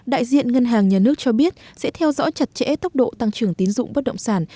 đại diện ngân hàng nhà nước cho biết sẽ theo dõi chặt chẽ tốc độ tăng trưởng tín dụng bất động sản